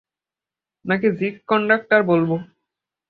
নাকি জিগ কন্ডাক্টর বলবো?